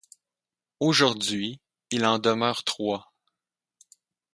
Aujourd'hui, il en demeure trois.